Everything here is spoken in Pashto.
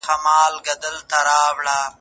مننه او مهرباني اراموي.